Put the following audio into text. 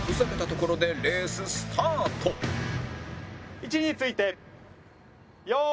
位置について用意。